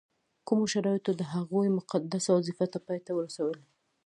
کومو شرایطو د هغوی مقدسه وظیفه پای ته ورسول.